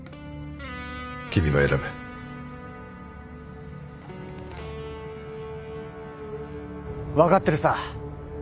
君が選べ分かってるさ。